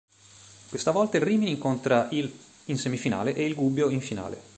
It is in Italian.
Questa volta il Rimini incontra il in semifinale e il Gubbio in finale.